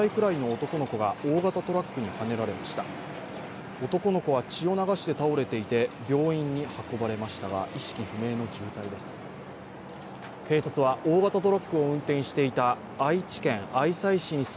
男の子は血を流して倒れていて病院に運ばれましたが意識不明の重体だということです。